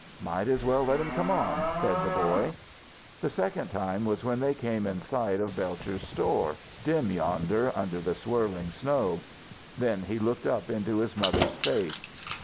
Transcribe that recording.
"Might as well let him come on," said the boy. The second time was when they came in sight of Belcher's store, dim yonder through the swirling snow. Then he looked up into his mother's face.